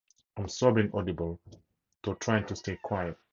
I'm sobbing audible, though trying to stay quiet.